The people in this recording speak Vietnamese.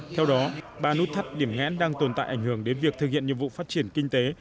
theo đó ba nút thắt điểm ngẽn đang tồn tại ảnh hưởng đến việc thực hiện nhiệm vụ phát triển kinh tế